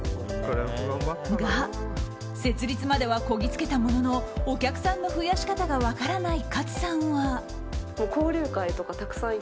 が、設立まではこぎ着けたもののお客さんの増やし方が分からない勝さんは。